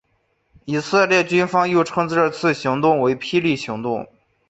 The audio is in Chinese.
以色列军方又称这次行动为霹雳行动。